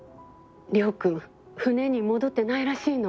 亮君船に戻ってないらしいの。